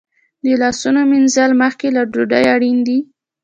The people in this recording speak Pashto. د لاسونو مینځل مخکې له ډوډۍ اړین دي.